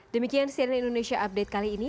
demikian cnn indonesia update kali ini